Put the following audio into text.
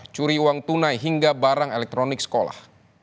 curi uang tunai hingga barang elektronik sekolah